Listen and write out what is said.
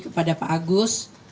kepada pak agus